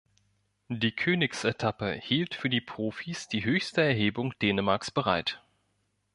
Die Königsetappe hielt für die Profis die höchste Erhebung Dänemarks bereit.